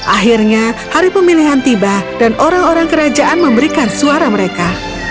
akhirnya hari pemilihan tiba dan orang orang kerajaan memberikan suara mereka